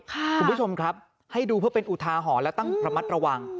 คุณผู้ชมครับให้ดูเพื่อเป็นอุทาหรณ์และต้องระมัดระวัง